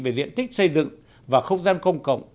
về diện tích xây dựng và không gian công cộng